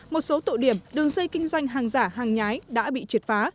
một số tụ điểm đường dây kinh doanh hàng giả hàng nhái đã bị triệt phá